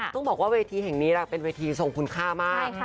ต้องบอกว่าเวทีแห่งนี้เป็นเวทีทรงคุณค่ามาก